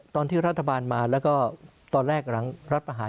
ตอนที่รัฐบาลมาแล้วก็ตอนแรกหลังรัฐประหาร